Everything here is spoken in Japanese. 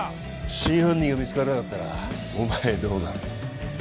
真犯人が見つからなかったらお前どうなる？